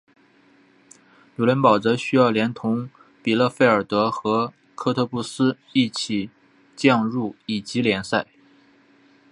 纽伦堡则需要连同比勒费尔德和科特布斯一起降入乙级联赛。